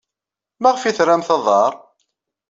Maɣef ay terramt aḍar?